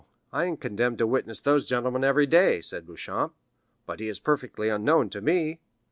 I am condemned to witness those gentlemen every day," said Beauchamp; "but he is perfectly unknown to me."